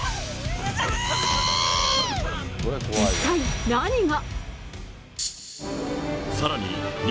一体何が？